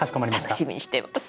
楽しみにしてます。